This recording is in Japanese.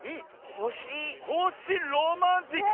ほしロマンチック！